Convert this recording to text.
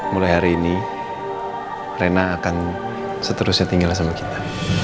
mulai hari ini rena akan seterusnya tinggal sama kita